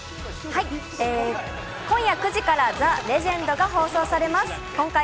今夜９時から『ＴＨＥ★レジェンド』が放送されます。